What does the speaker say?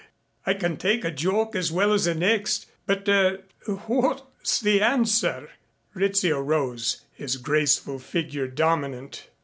I can take a joke as well as the next, but er what's the answer?" Rizzio rose, his graceful figure dominant.